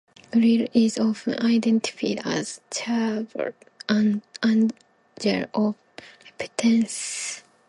Uriel is often identified as a cherub and angel of repentance.